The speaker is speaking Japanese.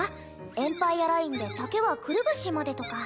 エンパイアラインで丈はくるぶしまでとか。